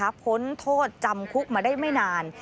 พ้นโทษจำคุกมาได้ไม่นาน